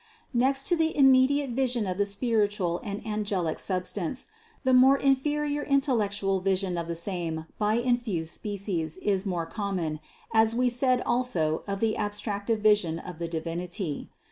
654. Next to the immediate vision of the spiritual and angelic substance, the more inferior intellectual vision of the same by infused species is more common, as we said also of the abstractive vision of the Divinity.